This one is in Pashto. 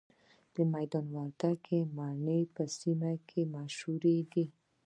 د میدان وردګو مڼې په سیمه کې مشهورې دي.